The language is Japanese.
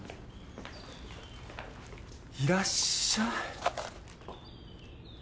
いらっしゃい？